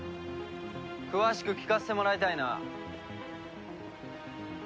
詳しく聞かせてもらいたいな。